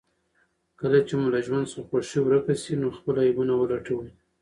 کله چې مو له ژوند څخه خوښي ورکه شي، نو خپل عيبونه ولټوئ.